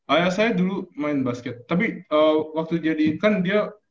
ayah saya dulu main basket tapi waktu jadi kan dia